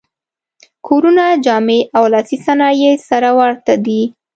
کورونه، جامې او لاسي صنایع یې سره ورته دي.